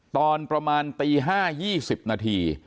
ตอนประมาณตี๕๒๐นาที